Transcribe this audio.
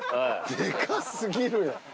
でか過ぎる。